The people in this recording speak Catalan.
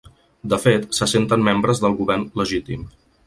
De fet, se senten membres del govern legítim.